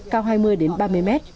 cao hai mươi đến ba mươi m